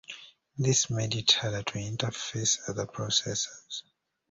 This made it harder to interface other processors.